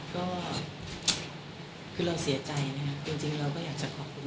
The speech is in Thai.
ก็คือเราเสียใจนะครับจริงเราก็อยากจะขอบคุณ